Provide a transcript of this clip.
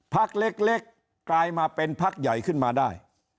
พักเล็กกลายมาเป็นพักใหญ่ขึ้นมาได้